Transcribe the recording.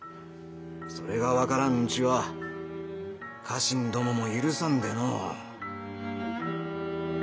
それが分からんうちは家臣どもも許さんでのう。